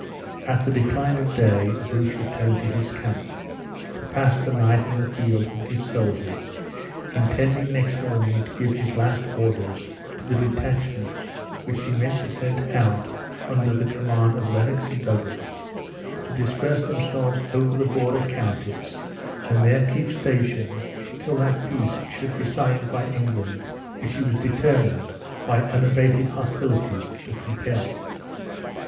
At the decline of day Bruce returned to his camp, to pass the night in the field with his soldiers, intending next morning to give his last orders to the detachments which he meant to send out under the command of Lennox and Douglas, to disperse themselves over the border counties, and there keep station till that peace should be signed by England which he was determined, by unabated hostilities, to compel.